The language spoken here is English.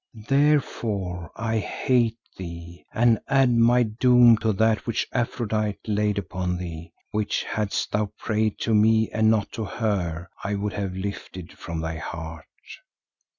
Therefore I hate thee and add my doom to that which Aphrodite laid upon thee, which, hadst thou prayed to me and not to her, I would have lifted from thy heart.